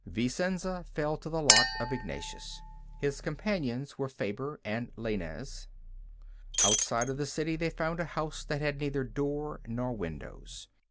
Vicenza fell to the lot of Ignatius. His companions were Faber and Laynez. Outside of the city they found a house that had neither door nor windows.